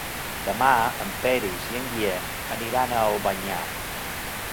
Demà en Peris i en Guillem aniran a Albanyà.